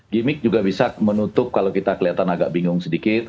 gimmick juga bisa menutup kalau kita kelihatan agak bingung sedikit